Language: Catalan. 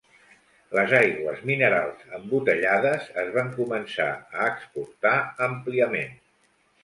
Les aigües minerals embotellades es van començar a exportar àmpliament.